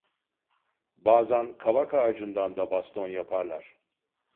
Bazan kavak ağacından da baston yaparlar…